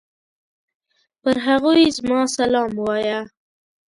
پر هغوی زما سلام وايه!